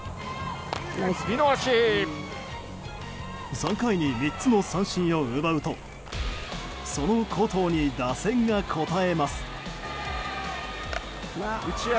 ３回に３つの三振を奪うとその好投に打線が応えます。